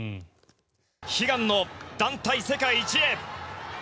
悲願の団体世界一へ。